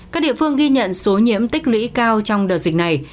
các địa phương ghi nhận số nhiễm tích lũy cao trong đợt dịch này